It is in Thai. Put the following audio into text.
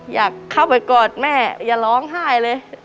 อยากเข้าไปกอดแม่อย่าร้องไห้เลย